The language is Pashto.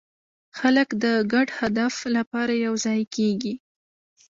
خلک د ګډ هدف لپاره یوځای کېږي.